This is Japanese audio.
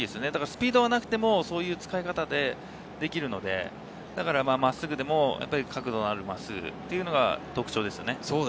スピードはなくても、そういう使い方ができるので、真っすぐでも角度のある真っすぐが特徴です。